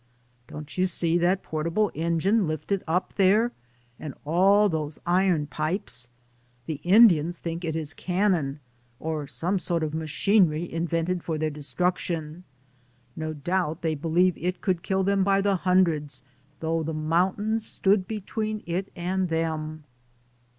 "Don't you see that portable engine lifted away up there, and all those iron pipes ? The Indians think it is cannon_, or some sort of machinery invented for their destruction ; no doubt they believe it could kill them by the hundreds, though the mountains stood be tween it and them."